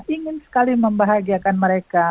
ingin sekali membahagiakan mereka